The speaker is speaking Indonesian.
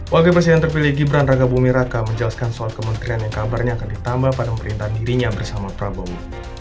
wakil presiden terpilih gibran raka bumi raka menjelaskan soal kementerian yang kabarnya akan ditambah pada pemerintahan dirinya bersama prabowo